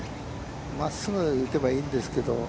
まっすぐ打てばいいんですけど。